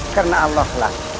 karena allah lah